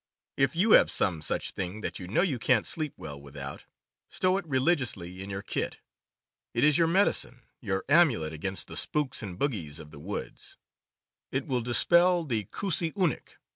If you have some such thing that you know you can't sleep well without, stow it religiously in your kit. It is your "medicine," your amulet against the spooks and bogies of the woods. It will dispel the koosy oonek.